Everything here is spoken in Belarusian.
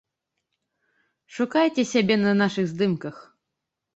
Шукайце сябе на нашых здымках!